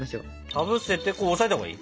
かぶせてこう押さえたほうがいい？